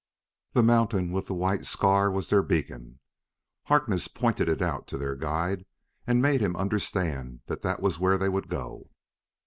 The mountain with the white scar was their beacon. Harkness pointed it out to their guide and made him understand that that was where they would go.